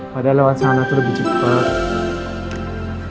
padahal lewat sana terlebih cepat